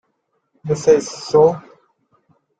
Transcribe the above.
He says, So!